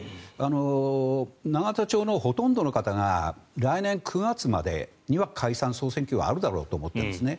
永田町のほとんどの方が来年９月までには解散・総選挙はあるだろうと思ってるんですね。